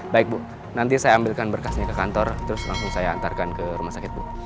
baik bu nanti saya ambilkan berkasnya ke kantor terus langsung saya antarkan ke rumah sakit bu